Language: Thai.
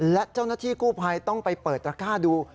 และเจ้าหน้าที่กู้ภัยต้องไปเปิดตระก้าดู